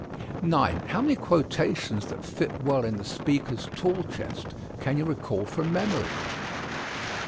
How many quotations that fit well in the speaker's tool chest can you recall from memory?